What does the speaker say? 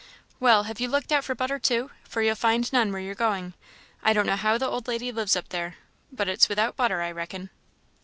"Well, have you looked out for butter, too? for you'll find none where you're going. I don't know how the old lady lives up there, but it's without butter, I reckon."